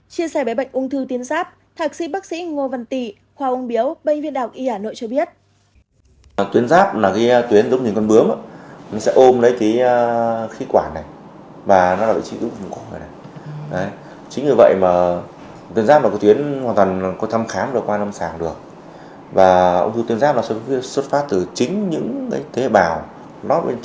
chia sẻ với bệnh ung thư tiến giáp thạc sĩ bác sĩ ngô văn tị khoa ung biếu bệnh viên đạo y hà nội cho biết